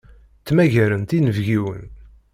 Ttmagarent inebgiwen.